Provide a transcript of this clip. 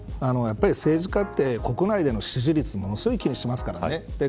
政治家って、国内での支持率ものすごい気にしますからね。